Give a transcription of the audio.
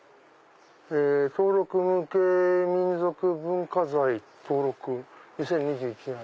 「登録無形民族文化財登録２０２１」。